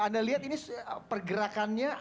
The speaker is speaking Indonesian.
anda lihat ini pergerakannya